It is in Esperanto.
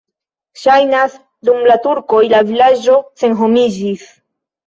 Ŝajnas, dum la turkoj la vilaĝo senhomiĝis.